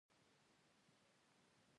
د عوایدو راټولول څومره سخت دي؟